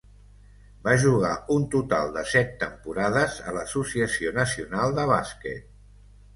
Va jugar un total de set temporades a l'Associació Nacional de bàsquet.